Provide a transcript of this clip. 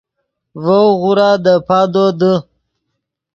ڤؤ غورا دے پادو دے